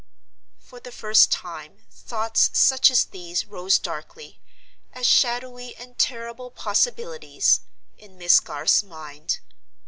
For the first time, thoughts such as these rose darkly—as shadowy and terrible possibilities—in Miss Garth's mind.